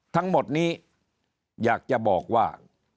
ทั้งหมดนี้อยากจะบอกว่า